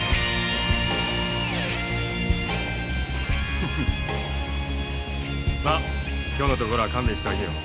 フフッまあ今日のところは勘弁してあげよう。